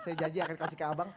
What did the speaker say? saya janji akan kasih ke abang